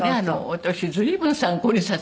私随分参考にさせて。